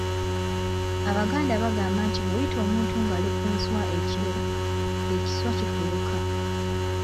Abaganda bagamba nti bw’oyita omuntu ng’ali ku nswa ekiro, ekiswa kifuluka.